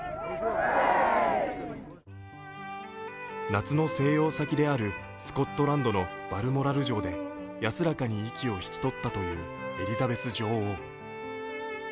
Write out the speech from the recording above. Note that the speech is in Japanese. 夏の静養先であるスコットランドのバルモラル城で安らかに息を引き取ったというエリザベス女王。